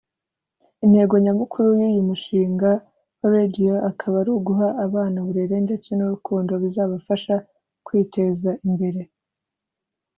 Intego nyamukuru y’uyu mushinga wa Radio akaba ari uguha abana uburere ndetse n’urukundo bizabafasha kwiteza imbere